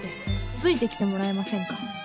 ついてきてもらえませんか？